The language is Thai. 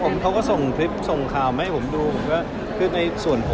ก็ผมบ้าวว่าที่เราแบบเป็นนัพที่วัน